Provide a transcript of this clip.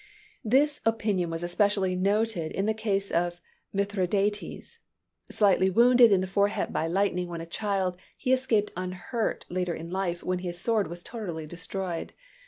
This opinion was especially noted in the case of Mithridates. Slightly wounded in the forehead by lightning when a child, he escaped unhurt later in life, when his sword was totally destroyed.